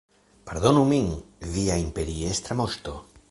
Pardonu min, Via Imperiestra Moŝto!